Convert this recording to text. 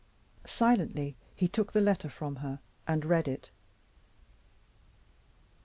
Silently he took the letter from her, and read it.